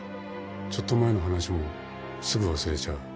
ちょっと前の話もすぐ忘れちゃう。